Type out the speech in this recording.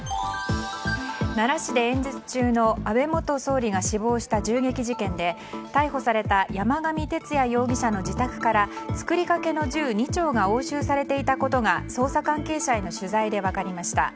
奈良市で演説中の安倍元総理が死亡した銃撃事件で、逮捕された山上徹也容疑者の自宅から作りかけの銃２丁が押収されていたことが捜査関係者への取材で分かりました。